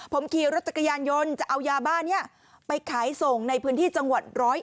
ผมขี่รถจักรยานยนต์จะเอายาบ้านี้ไปขายส่งในพื้นที่จังหวัด๑๐๑